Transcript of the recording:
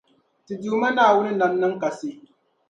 Ti Duuma Naawuni nam niŋ kasi.